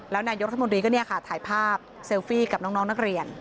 แล้วนายกรัฐมนตรีก็เนี่ยค่ะถ่ายภาพเซลฟี่กับน้องนักเรียน